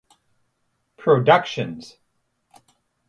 Productions.